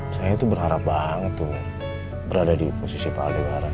saya tuh berharap banget tuh berada di posisi pak aldi wara